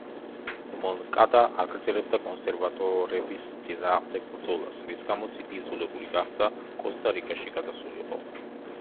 მონკადა აგრძელებდა კონსერვატორების წინააღმდეგ ბრძოლას, რის გამოც იგი იძულებული გახდა კოსტა-რიკაში გადასულიყო.